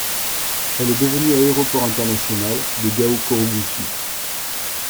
Elle est devenue l'aéroport international de Gao Korogoussou.